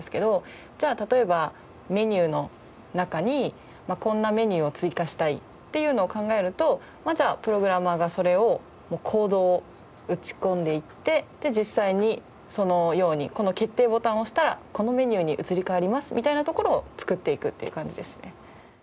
じゃあ例えばメニューの中にこんなメニューを追加したいっていうのを考えるとじゃあプログラマーがそれをコードを打ち込んでいって実際にそのようにこの決定ボタンを押したらこのメニューに移り変わりますみたいなところを作っていくっていう感じですね。